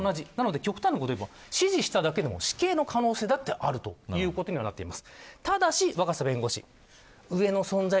極端なことを言えば指示しただけでも死刑の可能性はあるということなっています。